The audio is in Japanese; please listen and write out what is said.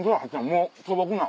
もう素朴な。